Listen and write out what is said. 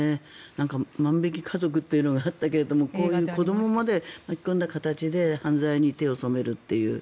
なんか「万引き家族」というのがあったけどこういう子どもまで巻き込んだ形で犯罪に手を染めるという。